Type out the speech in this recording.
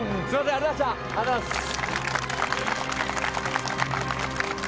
ありがとうございます。